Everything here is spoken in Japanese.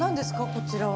こちらは。